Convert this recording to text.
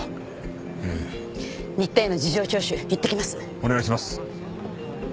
お願いします。